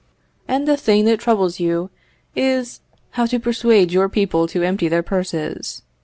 And the thing that troubles you is, how to persuade your people to empty their purses.